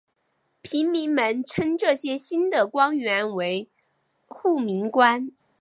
平民们称这些新的官员为护民官。